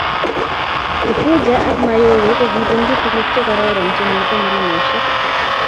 kifuja ak mayowe ko kibunji tuguk che kororon che mito milimesheck